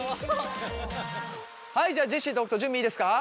はいじゃあジェシーと北斗準備いいですか？